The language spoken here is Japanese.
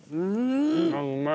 うまい！